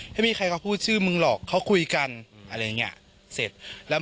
ไม่มีใครมาพูดชื่อมึงหรอกเขาคุยกันอะไรอย่างเงี้ยเสร็จแล้ว